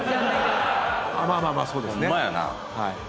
まあまあまあそうですね。ホンマやな。